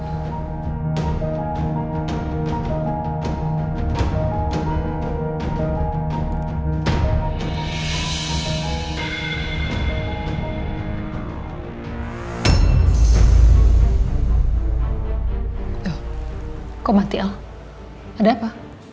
oh kok mati al ada apa